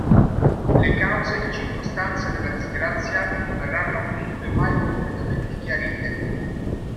Le cause e circostanze della disgrazia non verranno comunque mai completamente chiarite.